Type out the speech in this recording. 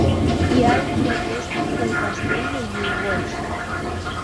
Hi ha algunes restes del Castell de Llúgols.